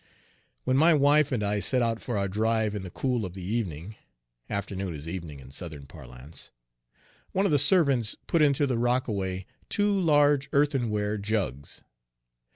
When my wife and I set out for our drive in the cool of the evening, afternoon is "evening" in Southern parlance, one of the servants put into the rockaway two large earthenware jugs.